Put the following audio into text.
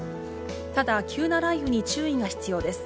ただ、急な雷雨に注意が必要です。